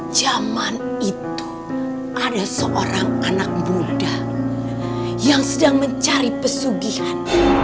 zaman itu ada seorang anak muda yang sedang mencari pesugihan